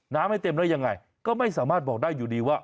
ให้เต็มแล้วยังไงก็ไม่สามารถบอกได้อยู่ดีว่า